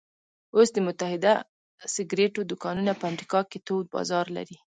اوس د متحده سګرېټو دوکانونه په امریکا کې تود بازار لري